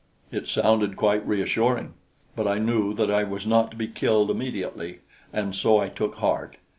It sounded quite reassuring! But I knew that I was not to be killed immediately, and so I took heart.